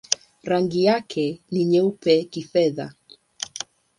Rangi yake ni nyeupe-kifedha.